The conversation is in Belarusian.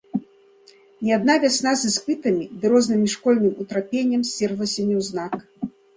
Не адна вясна з іспытамі ды розным школьным утрапеннем сцерлася няўзнак.